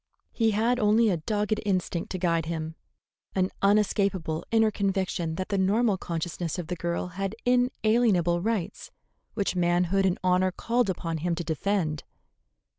He had only a dogged instinct to guide him, an unescapable inner conviction that the normal consciousness of the girl had inalienable rights which manhood and honor called upon him to defend.